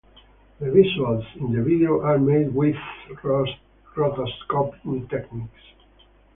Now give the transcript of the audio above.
The visuals in the video are made with rotoscoping techniques.